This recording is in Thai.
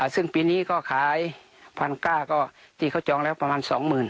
ซึ่งปีนี้ก็ขายพันธุ์ก้าตีเขาจองประมาณ๒๐๐๐๐